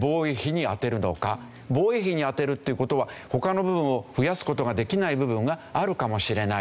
防衛費に充てるっていう事は他の部分を増やす事ができない部分があるかもしれない。